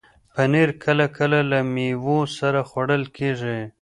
پنېر کله کله له میوو سره خوړل کېږي.